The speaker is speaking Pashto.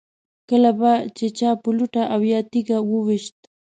کله به چې چا په لوټه او یا تیږه و ویشت.